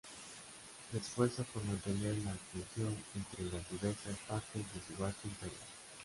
Se esfuerza por mantener la cohesión entre las diversas partes de su vasto imperio.